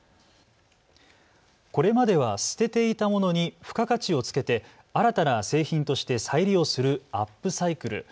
これまでは捨てていたものに付加価値をつけて新たな製品として再利用するアップサイクル。